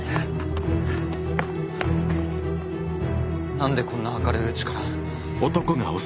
なんでこんな明るいうちから。